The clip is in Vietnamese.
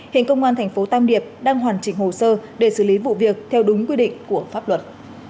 hiện công an tp tan điệp đang hoàn chỉnh hồ sơ để xử lý vụ việc theo đúng quy định của pháp luật